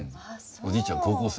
おじいちゃんは高校生。